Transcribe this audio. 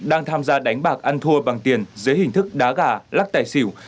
đang tham gia đánh bạc ăn thua bằng tiền dưới hình thức đá gà lắc tài xỉu